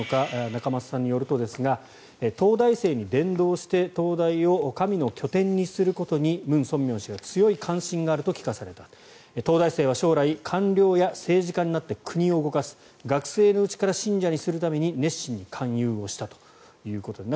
仲正さんによるとですが東大生に伝道して東大を神の拠点にすることにムン・ソンミョン氏が強い関心があると聞かされた東大生は将来官僚や政治家になって国を動かす学生のうちから信者にするために熱心に勧誘をしたということです。